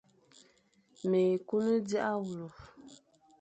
Mé kun dia wule,